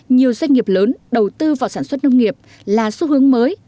nhiều doanh nghiệp lớn đầu tư vào sản xuất nông nghiệp là xu hướng mới